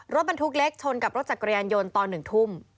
รถบรรทุกเล็กชนกับรถจักรยานยนต์ตอน๑ทุ่ม